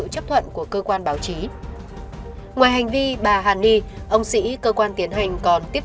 trước đó viện kiểm soát nhân dân dân